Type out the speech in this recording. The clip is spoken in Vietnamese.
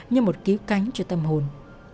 như một cứu cánh cho tâm hồn